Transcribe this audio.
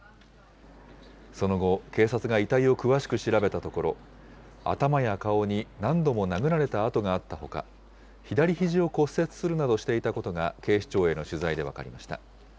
その後、警察が遺体を詳しく調べたところ、頭や顔に何度も殴られた痕があったほか、左ひじを骨折するなどしていたことが、警視庁への取材で分かりました。